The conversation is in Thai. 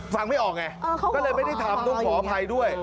ไม่ออกไงก็เลยไม่ได้ทำต้องขออภัยด้วย